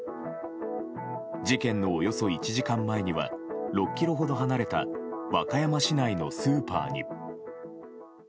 事件のおよそ１時間前には６ｋｍほど離れた和歌山市内のスーパーに。